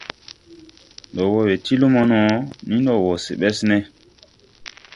Ndɔ wɔ we ti lumo no, nii ndɔ wɔ se Ɓɛsne.